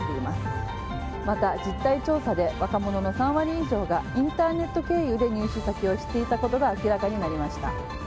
また、実態調査で若者の３割以上がインターネット経由で入手先を知っていたことが明らかになりました。